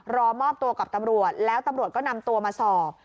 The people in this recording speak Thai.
รอมอบตัวกับตำรวจแล้วตำรวจก็นำตัวมาสอบ